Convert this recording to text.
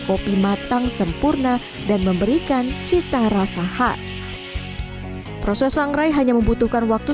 kopi matang sempurna dan memberikan cita rasa khas proses sangrai hanya membutuhkan waktu